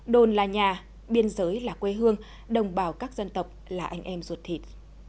đồn là nhà biên giới là quê hương đồng bào các dân tộc là anh em ruột thịt